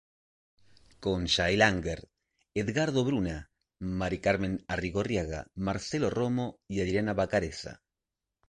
Con Jael Unger, Edgardo Bruna, Maricarmen Arrigorriaga, Marcelo Romo y Adriana Vacarezza.